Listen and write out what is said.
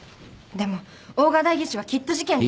でも大賀代議士はきっと事件に。